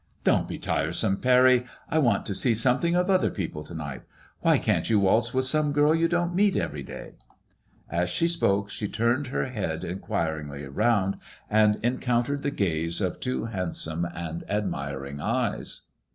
'' Don't be tiresome, Pany ; I want to see something of other people to night. Why can't you waltz with some girl you don't meet every day ?" As she spoke she turned her 144 MADKMOIilSLLS IXK. head inquiringly round, and en countered the gaze of two hand some and admiring eyes.